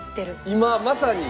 今まさに？